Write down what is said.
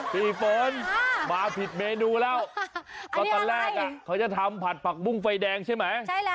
พี่เฟิร์นมาผิดเมนูแล้วก็ตอนแรกเขาจะทำผัดผักบุ้งไฟแดงใช่ไหม